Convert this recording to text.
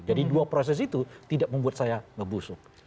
jadi dua proses itu tidak membuat saya membusuk